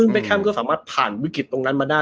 มันสามารถผ่านวิกฤติตรงนั้นมาได้